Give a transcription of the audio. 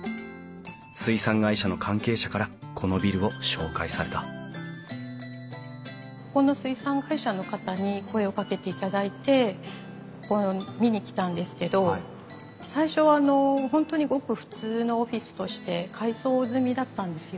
水産会社の関係者からこのビルを紹介されたここの水産会社の方に声をかけていただいてここを見に来たんですけど最初はあの本当にごく普通のオフィスとして改装済みだったんですよね。